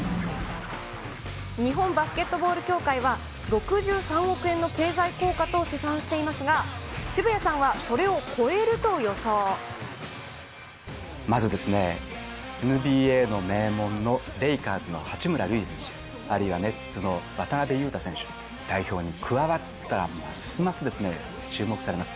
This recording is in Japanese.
日本バスケットボール協会は、６３億円の経済効果と試算していますが、渋谷さんはそれを超えるまずですね、ＮＢＡの名門のレイカーズの八村塁選手、あるいはネッツの渡邊雄太選手、代表に加わったら、ますますですね、注目されます。